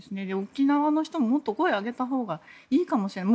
沖縄の人ももっと声を上げたほうがいいかもしれない。